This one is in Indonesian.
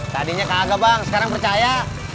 tadinya kagak bang sekarang percaya